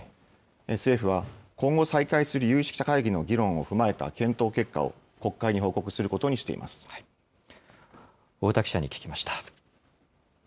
政府は、今後再開する有識者会議の議論を踏まえた検討結果を、国太田記者に聞きました。